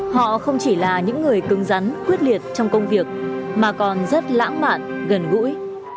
họ không chỉ là những người cứng rắn quyết liệt trong công việc mà còn rất lãng mạn gần gũi